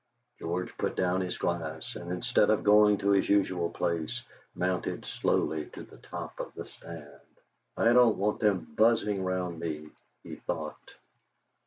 George put down his glass, and instead of going to his usual place, mounted slowly to the top of the stand. '. don't want them buzzing round me,' he thought.